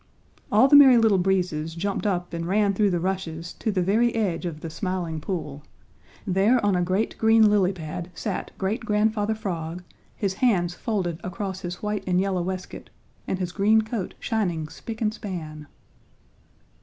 All the Merry Little Breezes jumped up and ran through the rushes to the very edge of the Smiling Pool. There on a great green lily pad sat Great Grandfather Frog, his hands folded across his white and yellow waistcoat and his green coat shining spick and span.